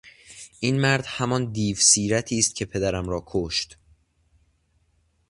این مرد همان دیو سیرتی است که پدرم را کشت!